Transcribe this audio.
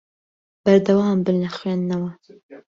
بەردەوام بن لە خوێندنەوە.